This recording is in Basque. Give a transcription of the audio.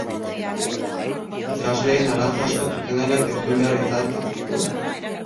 Ikasleen arazo asko zuzendariak entzun behar izaten zituen.